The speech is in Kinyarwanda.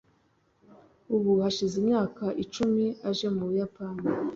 ubu hashize imyaka icumi aje mu buyapani